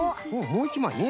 もういちまいね。